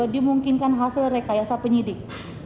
dimungkinkan hasil rekayasa penyidik